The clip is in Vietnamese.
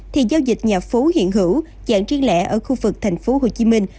thì giao dịch nhà phố hiện hữu dạng riêng lẻ ở khu vực thành phố hồ chí minh